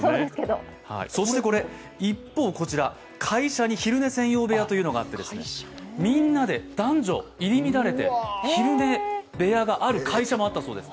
一方こちら、会社に昼寝専用部屋というのがあってみんなで男女入り乱れて、昼寝部屋がある会社もあったそうです。